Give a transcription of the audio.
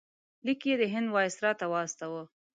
لیک یې د هند وایسرا ته واستاوه.